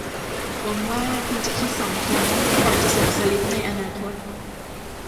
หวังว่าคุณจะคิดสองครั้งก่อนจะส่งสลิปในอนาคต